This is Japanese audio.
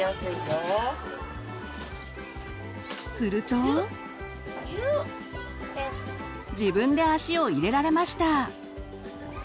すると自分で足を入れられました。